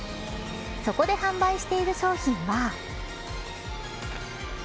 そこで販売している商品は。